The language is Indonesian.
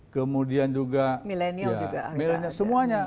kemudian juga millennial semuanya